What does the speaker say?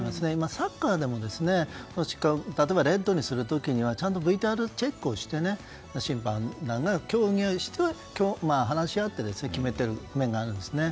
サッカーでも例えばレッドにするときはちゃんとＶＴＲチェックをして審判が共有して話し合って決めている面があるんですね。